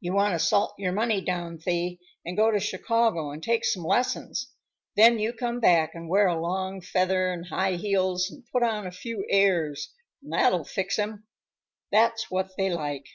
"You want to salt your money down, Thee, and go to Chicago and take some lessons. Then you come back, and wear a long feather and high heels and put on a few airs, and that'll fix 'em. That's what they like."